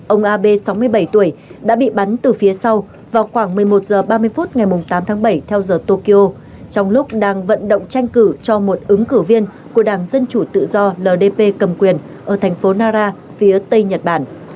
ông abe sáu mươi bảy tuổi đã bị bắn từ phía sau vào khoảng một mươi một h ba mươi phút ngày tám tháng bảy theo giờ tokyo trong lúc đang vận động tranh cử cho một ứng cử viên của đảng dân chủ tự do ldp cầm quyền ở thành phố nara phía tây nhật bản